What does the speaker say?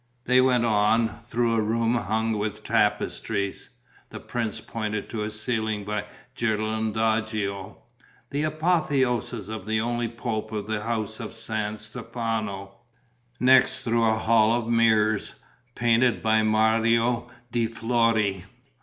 They went on, through a room hung with tapestries; the prince pointed to a ceiling by Ghirlandajo: the apotheosis of the only pope of the house of San Stefano. Next through a hall of mirrors, painted by Mario de' Flori.